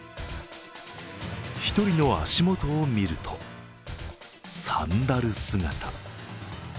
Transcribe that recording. １人の足元を見ると、サンダル姿。